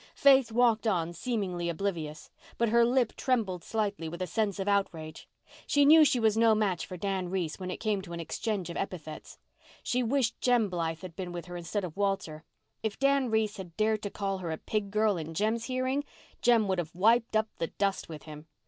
Faith walked on, seemingly oblivious. But her lip trembled slightly with a sense of outrage. She knew she was no match for Dan Reese when it came to an exchange of epithets. She wished Jem Blythe had been with her instead of Walter. If Dan Reese had dared to call her a pig girl in Jem's hearing, Jem would have wiped up the dust with him.